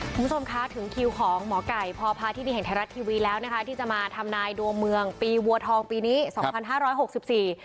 คุณผู้ชมคะถึงคิวของหมอไก่พพาธินีแห่งไทยรัฐทีวีแล้วนะคะที่จะมาทำนายดวงเมืองปีวัวทองปีนี้สองพันห้าร้อยหกสิบสี่